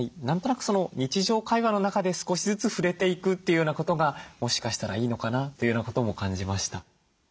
何となく日常会話の中で少しずつ触れていくっていうようなことがもしかしたらいいのかなというようなことも感じました。